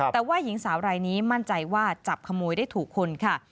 แต่ว่าหญิงสาวรายนี้มั่นใจว่าจับขโมยได้ถูกคนค่ะ